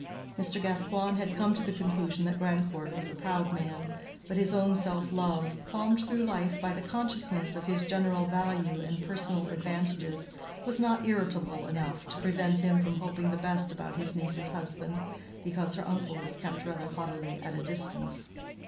Mr. Gascoigne had come to the conclusion that Grandcourt was a proud man, but his own self love, calmed through life by the consciousness of his general value and personal advantages, was not irritable enough to prevent him from hoping the best about his niece's husband because her uncle was kept rather haughtily at a distance.